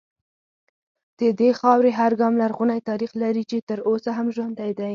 د دې خاورې هر ګام لرغونی تاریخ لري چې تر اوسه هم ژوندی دی